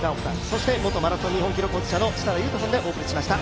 そして元マラソン日本記録保持者の設楽悠太さんでお送りしました。